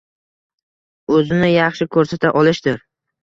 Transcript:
O’zini yaxshi ko’rsata olishdir